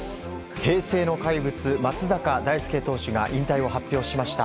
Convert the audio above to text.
平成の怪物、松坂大輔投手が引退を表明しました。